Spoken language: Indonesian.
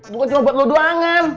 bukan cuma buat lu doangan